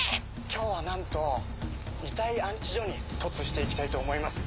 今日はなんと遺体安置所に凸して行きたいと思います。